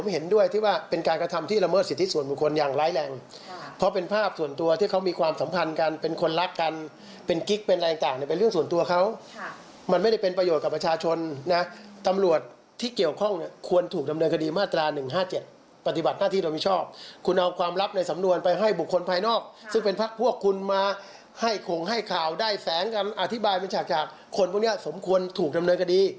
ให้ข่าวได้แสงกันอธิบายเป็นฉากคนพวกนี้สมควรถูกดำเนินคดี